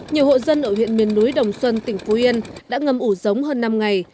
nhiều hộ dân ở huyện miền núi đồng xuân tỉnh phú yên đã ngâm ủ giống hơn năm ngày